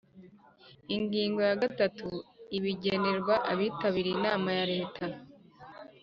Ingingo ya gatanu Ibigenerwa abitabiriye inama ya leta